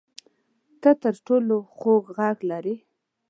ته تر ټولو خوږ غږ لرې